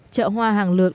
chợ hoa hàng lược